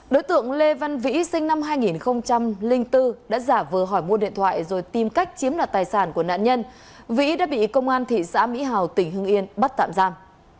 đối tượng lê văn vĩ sinh năm hai nghìn bốn đã giả vờ hỏi mua điện thoại rồi tìm cách chiếm đoạt tài sản của nạn nhân vĩ đã bị công an thị xã mỹ hào tỉnh hưng yên bắt tạm giam